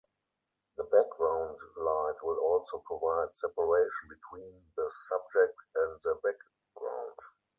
The background light will also provide separation between the subject and the background.